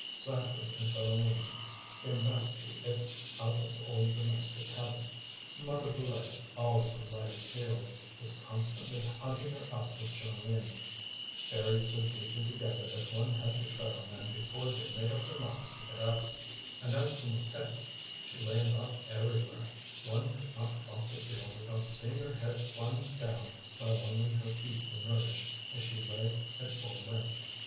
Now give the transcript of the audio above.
Zacharie and Philoméne came back to it out of old domestic habit; Mother Brulé, always on Lydie's heels, was constantly hunting her out with Jeanlin, buried so deeply together that one had to tread on them before they made up their minds to get up; and as to Mouquette, she lay about everywhere one could not cross a field without seeing her head plunge down while only her feet emerged as she lay at full length.